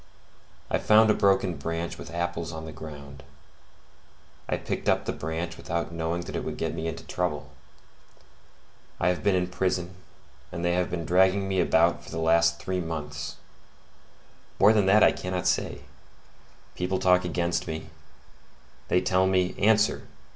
I found a broken branch with apples on the ground; I picked up the branch without knowing that it would get me into trouble. I have been in prison, and they have been dragging me about for the last three months; more than that I cannot say; people talk against me, they tell me, 'Answer!